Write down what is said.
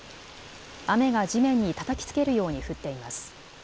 雨が地面にたたきつけるように降っています。